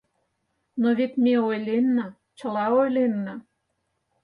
Но вет ме ойленна, чыла ойленна...